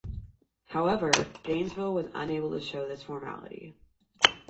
However, Granville was unable to show this formally.